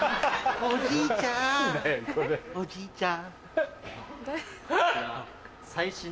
おじいちゃん